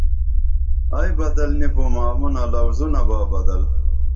ائی بدل نی بُومہ امونہ لوزونہ با بدل